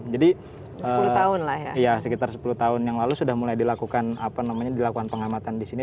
jadi sekitar sepuluh tahun yang lalu sudah mulai dilakukan pengamatan di sini